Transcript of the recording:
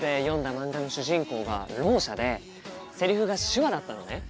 漫画の主人公がろう者でセリフが手話だったのね。